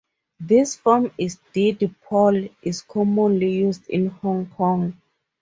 This form of deed poll is commonly used in Hong Kong.